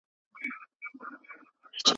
سوسیالیزم د پانګه والۍ ضد مفکوره ده.